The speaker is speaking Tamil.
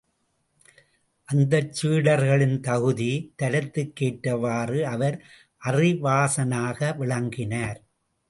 அந்த சீடர்களின் தகுதி, தரத்துக் கேற்றவாறு அவர் அறிவாசானாக விளங்கினார்!